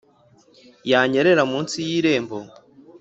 yanyerera munsi y irembo